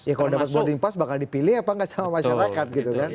ya kalau dapat boarding pass bakal dipilih apa nggak sama masyarakat gitu kan